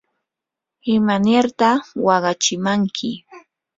¿imanirta waqachimanki?